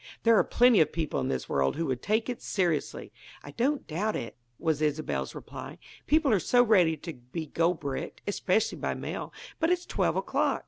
"There are plenty of people in this world who would take it seriously." "I don't doubt it," was Isobel's reply. "People are so ready to be gold bricked especially by mail. But it's twelve o'clock!